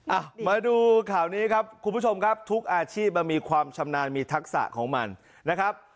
อ่ะมาดูข่าวนี้ครับคุณผู้ชมครับทุกอาชีพมันมีความชำนาญมีทักษะของมันนะครับ